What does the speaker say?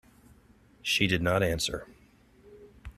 She did not answer.